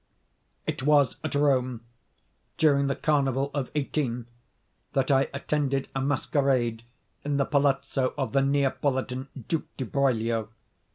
It was at Rome, during the Carnival of 18—, that I attended a masquerade in the palazzo of the Neapolitan Duke Di Broglio.